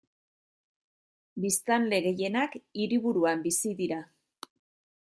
Biztanle gehienak hiriburuan bizi dira.